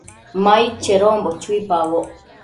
Ma aid chedonbo chuipaboc